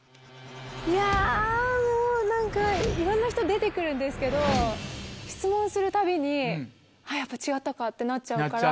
いやもう何かいろんな人出て来るんですけど質問するたびにあっやっぱ違ったかってなっちゃうから。